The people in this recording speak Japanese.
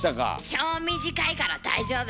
超短いから大丈夫。